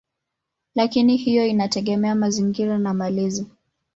Lakini hiyo inategemea mazingira na malezi.